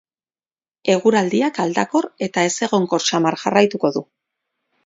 Eguraldiak aldakor eta ezegonkor samar jarraituko du.